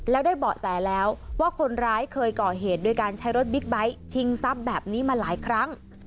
แล้วได้เบาะแสแล้วว่าคนร้ายเคยก่อเหตุด้วยการใช้รถบิ๊กไบท์ชิงทรัพย์แบบนี้มาหลายครั้ง